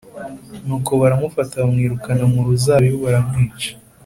Nuko baramufata bamwirukana mu ruzabibu baramwica